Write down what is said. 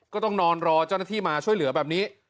ก็ต้องนอนรอเจ้าหน้าที่มาช่วยเหลือแบบนี้